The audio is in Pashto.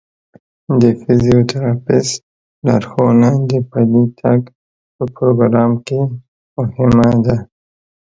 د فزیوتراپیست لارښوونه د پلي تګ په پروګرام کې مهمه ده.